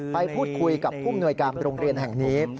ไปพูดคุยกับผู้มนวยการโรงเรียนแห่งนี้